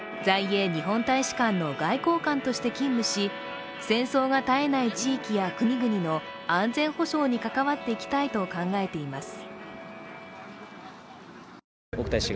在英日本大使館の外交官として勤務し、戦争が絶えない地域や国々の安全保障に関わっていきたいと考えています。